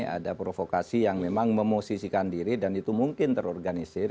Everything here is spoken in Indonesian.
ada provokasi yang memang memosisikan diri dan itu mungkin terorganisir